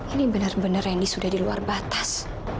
ini benar benar ini sudah di luar batas